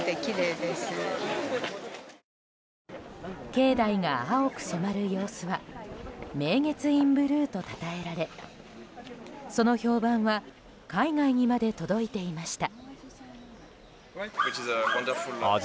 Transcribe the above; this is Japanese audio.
境内が青く染まる様子は明月院ブルーとたたえられその評判は海外にまで届いていました。